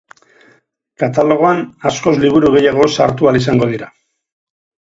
Katalogoan askoz liburu gehiago sartu ahal izango dira.